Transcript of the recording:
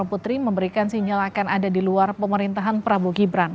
dan putri memberikan sinyal akan ada di luar pemerintahan prabowo gibran